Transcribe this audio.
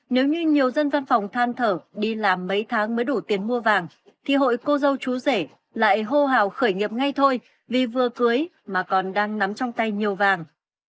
nếu như nhiều dân văn phòng than thở đi làm mấy tháng mới đủ tiền mua vàng thì hội cô dâu chú rể lại hô hào khởi nghiệp ngay thôi vì vừa cưới mà còn đang nắm trong tay nhiều vàng